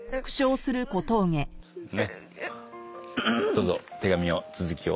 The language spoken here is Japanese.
どうぞ手紙の続きを。